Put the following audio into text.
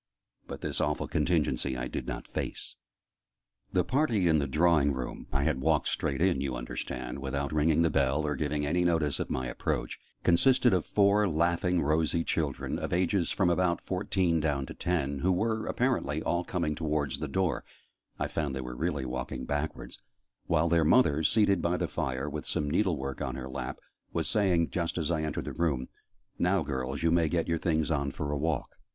But this awful contingency I did not face. The party in the drawing room I had walked straight in, you understand, without ringing the bell, or giving any notice of my approach consisted of four laughing rosy children, of ages from about fourteen down to ten, who were, apparently, all coming towards the door (I found they were really walking backwards), while their mother, seated by the fire with some needlework on her lap, was saying, just as I entered the room, "Now, girls, you may get your things on for a walk."